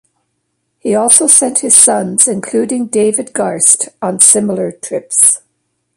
He also sent his sons, including David Garst, on similar trips.